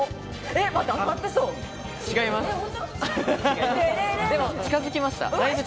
でも、だいぶ近づきました。